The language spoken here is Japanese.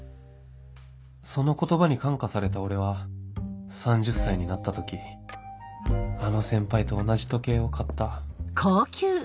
その言葉に感化された俺は３０歳になった時あの先輩と同じ時計を買った